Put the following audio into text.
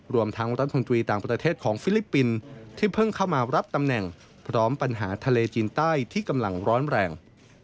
รวมทั้งรัฐมนตรีต่างประเทศของฟิลิปปินส์ที่เพิ่งเข้ามารับตำแหน่งพร้อมปัญหาทะเลจีนใต้ที่กำลังร้อนแรง